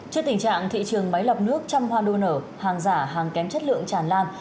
trước tình trạng thị trường máy lọc nước trăm hoa đua nở hàng giả hàng kém chất lượng tràn lan